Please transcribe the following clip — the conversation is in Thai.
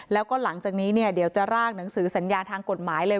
แล้วก็หลังจากนี้เนี่ยเดี๋ยวจะร่างหนังสือสัญญาทางกฎหมายเลย